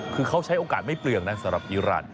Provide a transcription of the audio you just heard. คือเขาใช้โอกาสไม่เปลืองนะสำหรับอีราน